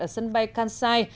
ở sân bay kansai